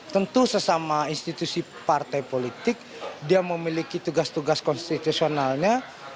tentu sesama institusi partai politik dia memiliki tugas tugas konstitusionalnya